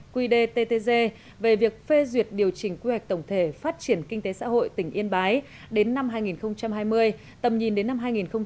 quy đề ttg về việc phê duyệt điều chỉnh quy hoạch tổng thể phát triển kinh tế xã hội tỉnh yên bái đến năm hai nghìn hai mươi tầm nhìn đến năm hai nghìn ba mươi